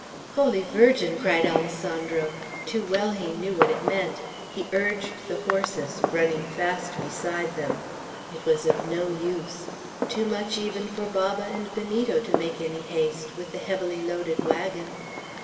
"Holy Virgin!" cried Alessandro. Too well he knew what it meant. He urged the horses, running fast beside them. It was of no use. Too much even for Baba and Benito to make any haste, with the heavily loaded wagon.